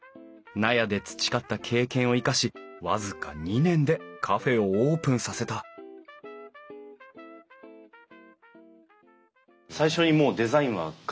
納屋で培った経験を生かし僅か２年でカフェをオープンさせた最初にもうデザインは考えてたんですか？